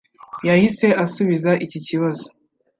Yahise asubiza iki kibazo